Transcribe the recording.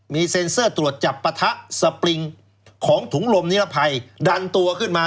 มีเซ็นเซอร์ตรวจจับปะทะสปริงของถุงลมนิรภัยดันตัวขึ้นมา